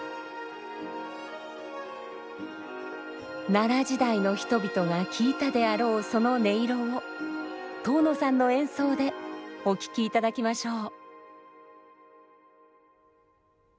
奈良時代の人々が聴いたであろうその音色を東野さんの演奏でお聴きいただきましょう。